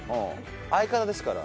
相方ですから。